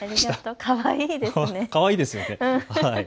かわいいですね。